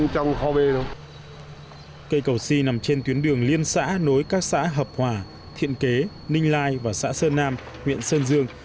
cây cầu xi nằm trên tuyến đường liên xã nối các xã hợp hòa thiện kế ninh lai và xã sơn nam huyện sơn dương